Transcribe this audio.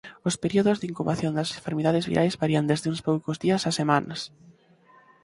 Os períodos de incubación das enfermidades virais varían desde uns poucos días a semanas.